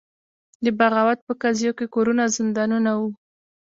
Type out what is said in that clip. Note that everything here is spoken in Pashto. د بغاوت په قضیو کې کورونه زندانونه وو.